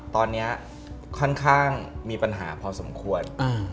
ตอนนี้ค่อนข้างมีปัญหาพอสมควร